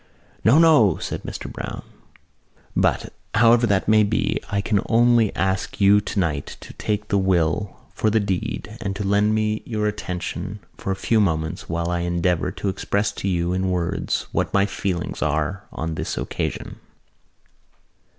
"No, no!" said Mr Browne. "But, however that may be, I can only ask you tonight to take the will for the deed and to lend me your attention for a few moments while I endeavour to express to you in words what my feelings are on this occasion.